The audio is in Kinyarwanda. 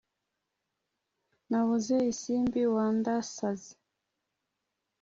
nabuze isimbi wandasaze